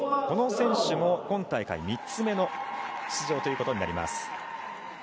この選手も今大会３つ目の出場ということになります。